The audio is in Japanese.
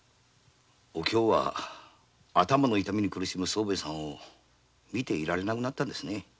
お京は痛みに苦しむ総兵衛さんを見ていられなくなったんですね。